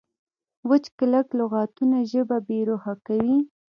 وچ کلک لغتونه ژبه بې روحه کوي.